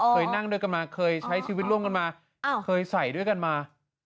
เคยนั่งด้วยกันมาเคยใช้ชีวิตร่วมกันมาเคยใส่ด้วยกันมา